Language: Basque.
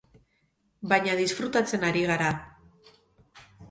Baina disfrutatzen ari gara.